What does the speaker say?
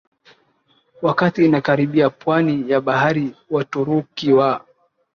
wakati inakaribia pwani ya bahari Waturuki wa